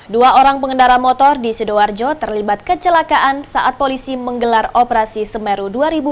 dua orang pengendara motor di sidoarjo terlibat kecelakaan saat polisi menggelar operasi semeru dua ribu dua puluh